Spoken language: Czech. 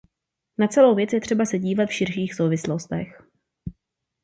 Na celou věc je třeba se dívat v širších souvislostech.